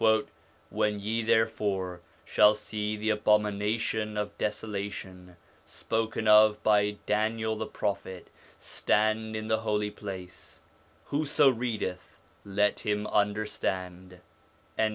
15): 'When ye therefore shall see the abomination of desolation, spoken of by Daniel the prophet, stand in the holy place (whoso readeth let him understand).'